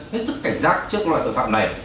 hết sức cảnh giác trước loại tội phạm này